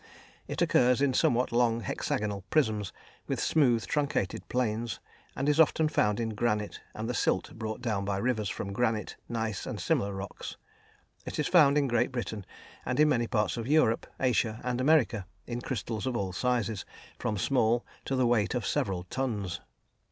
It occurs in somewhat long, hexagonal prisms, with smooth, truncated planes, and is often found in granite and the silt brought down by rivers from granite, gneiss, and similar rocks. It is found in Great Britain and in many parts of Europe, Asia, and America, in crystals of all sizes, from small to the weight of several tons.